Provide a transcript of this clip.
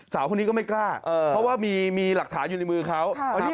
สาวคนนี้ก็ไม่กล้าเพราะว่ามีหลักฐานอยู่ในมือเขา